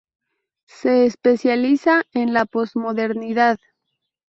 Se especializa en la posmodernidad.